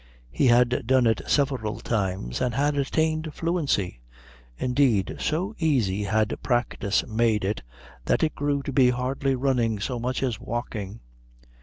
He had done it several times and had attained fluency. Indeed, so easy had practice made it that it grew to be hardly running so much as walking.